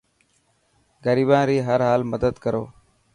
غريبان ري هر حال مدد ڪرو.